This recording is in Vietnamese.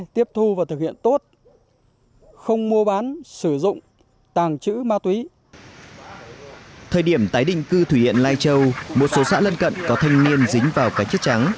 thời điểm tái định cư thủy điện lai châu một số xã lân cận có thanh niên dính vào cái chết trắng